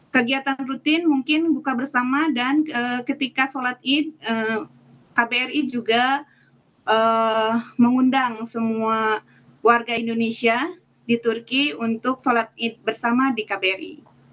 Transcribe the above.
kegiatan rutin mungkin buka bersama dan ketika sholat id kbri juga mengundang semua warga indonesia di turki untuk sholat id bersama di kbri